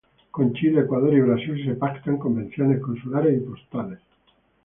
Con Chile, Ecuador y Brasil se pactan Convenciones Consulares y Postales.